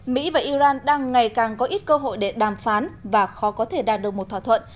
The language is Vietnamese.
mỹ và iran đang ngày càng có ít cơ hội để đàm phán và khó có thể đạt được một thỏa thuận